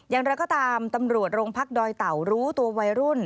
อย่างไรก็ตามตำรวจโรงพักดอยเต่ารู้ตัววัยรุ่น